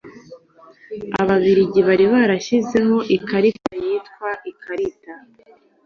Ababiligi bari barashyizeho ikarita yitwa ikarita